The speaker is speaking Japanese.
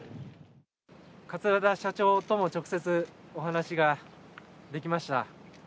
桂田社長とも直接お話ができました。